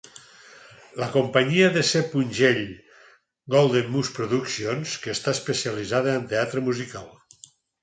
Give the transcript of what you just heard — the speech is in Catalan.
La companyia de C. Gell, Golden Muse Productions, que està especialitzada en teatre musical.